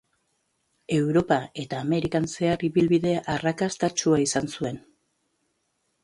Europa eta Amerikan zehar ibilbide arrakastatsua izan zuen.